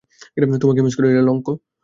তোমাকে মিস করি, লংক্ল।